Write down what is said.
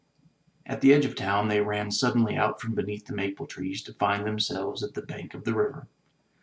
At the edge of town they ran suddenly out from beneath the maple trees to find themselves at the banks of the river.